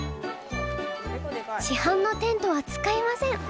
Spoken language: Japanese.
市販のテントは使いません！